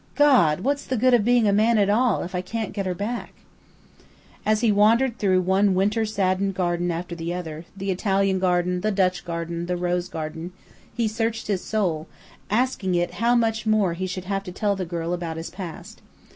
"God! What's the good of being a man at all, if I can't get her back?" As he wandered through one winter saddened garden after another the Italian garden, the Dutch garden, the rose garden he searched his soul, asking it how much more he should have to tell the girl about his past.